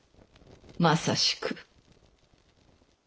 まさしく。